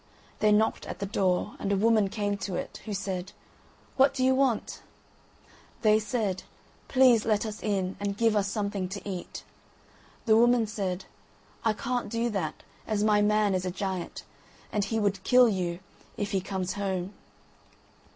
They knocked at the door, and a woman came to it, who said: "What do you want?" They said: "Please let us in and give us something to eat." The woman said: "I can't do that, as my man is a giant, and he would kill you if he comes home."